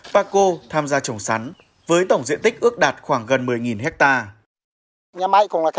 bà cô tham gia trồng sắn với tổng diện tích ước đạt khoảng gần một mươi hectare